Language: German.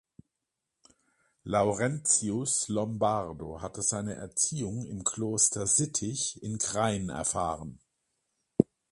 Laurentius Lombardo hatte seine Erziehung im Kloster Sittich in Krain erfahren.